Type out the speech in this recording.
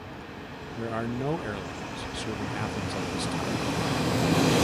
There are no airlines serving Athens at this time.